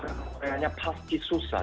koreanya pasti susah